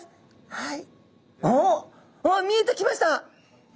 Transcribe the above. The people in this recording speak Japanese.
はい。